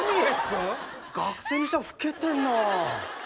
学生にしては老けてんな。